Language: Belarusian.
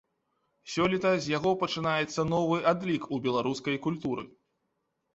Сёлета з яго пачынаецца новы адлік у беларускай культуры.